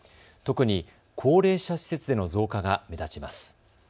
特に高齢者施設での増加が目立ちます。